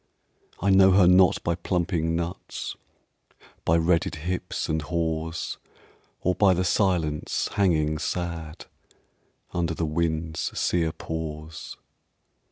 I know her not by plumping nuts, By redded hips and haws, Or by the silence hanging sad Under the wind's sere pause.